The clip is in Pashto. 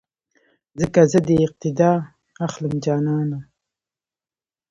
ځکه زه دې اقتیدا اخلم جانانه